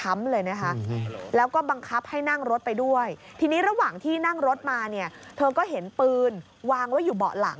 มันก็เห็นปืนวางไว้อยู่เบาะหลัง